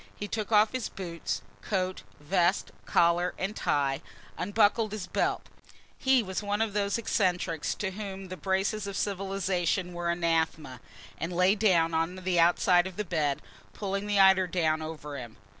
He took off his boots, coat, vest, collar and tie, unbuckled his belt he was one of those eccentrics to whom the braces of civilisation were anathema and lay down on the outside of the bed, pulling the eiderdown over him.